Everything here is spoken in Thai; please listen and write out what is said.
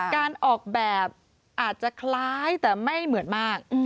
การออกแบบอาจจะคล้ายแต่ไม่เหมือนมาก